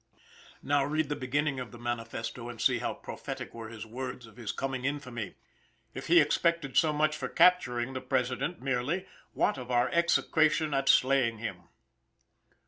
Now, read the beginning of the manifesto, and see how prophetic were his words of his coming infamy. If he expected so much for capturing the President merely, what of our execration at slaying him?